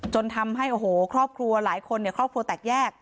จนทำให้โอ้โหครอบครัวหลายคนเนี่ยครอบครัวแตกแยก